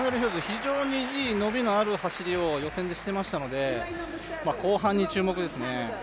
非常にいい伸びのある走りを予選でしてましたので、後半に注目ですね。